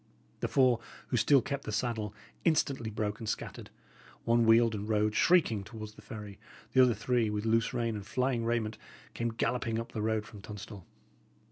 The four who still kept the saddle instantly broke and scattered; one wheeled and rode, shrieking, towards the ferry; the other three, with loose rein and flying raiment, came galloping up the road from Tunstall.